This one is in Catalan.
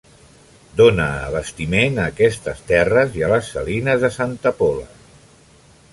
Dóna abastiment a aquestes terres i a les Salines de Santa Pola.